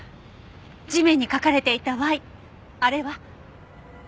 地面に書かれていたＹあれは。